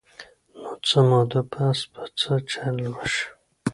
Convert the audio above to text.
نو څۀ موده پس به څۀ چل اوشي -